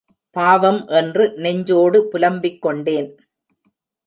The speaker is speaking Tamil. பாவம் என்று நெஞ்சோடு புலம்பிக் கொண்டேன்.